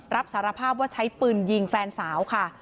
รับสารภาพว่าใช้ปืนยิงแฟนสาวค่ะ